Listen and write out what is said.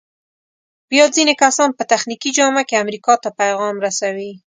بیا ځینې کسان په تخنیکي جامه کې امریکا ته پیغام رسوي.